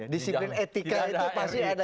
disiplin etika itu pasti ada